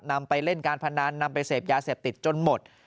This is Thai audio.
นำไปเล่นการพนันนำไปเสพยาเสพติดจนหมด